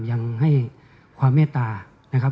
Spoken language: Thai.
ยังให้ความเมตตา